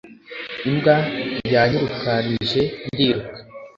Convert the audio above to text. Imbwa yanyirukanije ndiruka